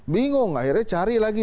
bingung akhirnya cari lagi